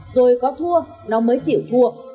rồi có thua nó mới chịu thua